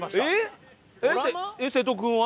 瀬戸君は？